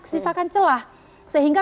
sisakan celah sehingga